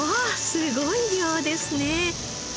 すごい量ですね。